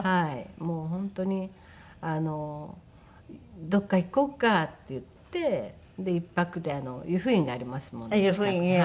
もう本当に「どこか行こうか」って言って１泊で湯布院がありますもので近くに。